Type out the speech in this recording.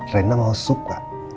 rena mau suka